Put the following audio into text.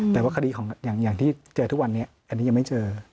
แต่ว่าคดีของอย่างที่เจอทุกวันนี้อันนี้ยังไม่เจอ